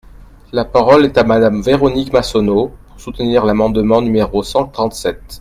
La parole est à Madame Véronique Massonneau, pour soutenir l’amendement numéro cent trente-sept.